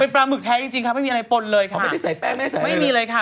เป็นปลาหมึกแท้จริงค่ะไม่มีอะไรปนเลยค่ะ